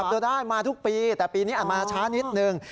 ตัวได้มาทุกปีแต่ปีนี้อาจมาช้านิดนึง